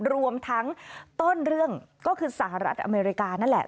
รวมทั้งต้นเรื่องก็คือสหรัฐอเมริกานั่นแหละ